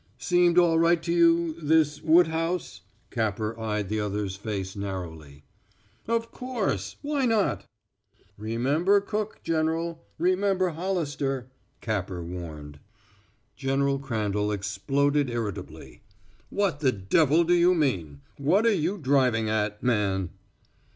"Seemed all right to you this Woodhouse?" Capper eyed the other's face narrowly. "Of course. Why not?" "Remember Cook, General! Remember Hollister!" Capper warned. General Crandall exploded irritably: "What the devil do you mean? What are you driving at, man?"